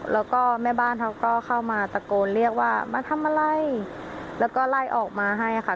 แล้วก็แม่บ้านเขาก็เข้ามาตะโกนเรียกว่ามาทำอะไรแล้วก็ไล่ออกมาให้ค่ะ